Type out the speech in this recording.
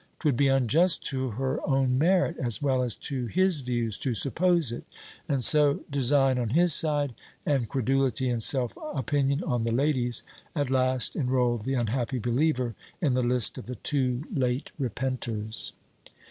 'Twould be unjust to her own merit, as well as to his views, to suppose it: and so design on his side, and credulity and self opinion, on the lady's, at last enrol the unhappy believer in the list of the too late repenters."